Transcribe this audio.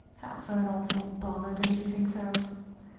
Hats are an awful bother, don't you think so?